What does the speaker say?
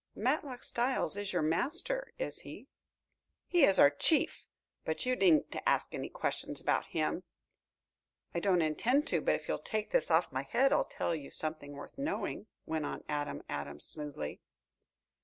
"Matlock Styles is your master, is he?" "He is our chief. But you needn't to ask any questions about him." "I don't intend to, but if you'll take this off my head I'll tell you something worth knowing," went on Adam Adams smoothly.